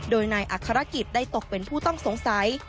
โดยนายอัครกิจได้ตกเป็นผู้ต้องสงสัย